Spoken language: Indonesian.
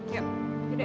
yuk yuk deh